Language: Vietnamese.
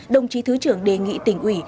đồng chí thứ trưởng đề nghị tỉnh ủy